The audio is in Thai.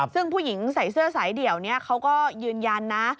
ซึ่งผู้หญิงใส่เสื้อสายเดี่ยวนี้เขาก็ยืนยันนะ